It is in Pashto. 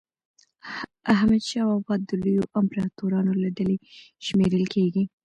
حمدشاه بابا د لویو امپراطورانو له ډلي شمېرل کېږي.